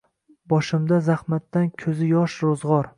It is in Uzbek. Boshimda zahmatdan ko‘zi yosh ro‘zg‘or